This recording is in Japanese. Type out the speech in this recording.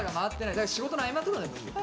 だから仕事の合間とかでもいいよ。